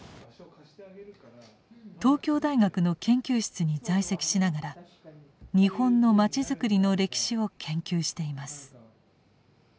東京大学の研究室に在籍しながら日本のまちづくりの歴史を研究しています。